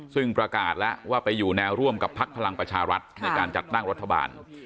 ซึ่งประกาศแล้วว่าไปอยู่แนวร่วมกับพักพลังประชารัฐในการจัดตั้งรัฐบาล